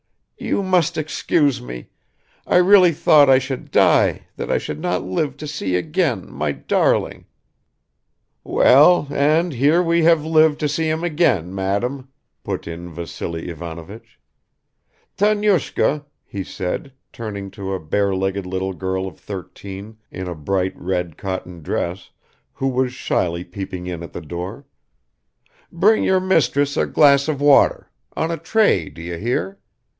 "You must excuse me. I really thought I should die, that I should not live to see again my darling " "Well and here we have lived to see him again, madam," put in Vassily Ivanovich. "Tanyushka," he said, turning to a bare legged little girl of thirteen in a bright red cotton dress, who was shyly peeping in at the door, "bring your mistress a glass of water on a tray, do you hear?